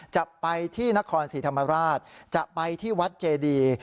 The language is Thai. จะไปที่นครศรีธรรมราชจะไปที่วัดเจดี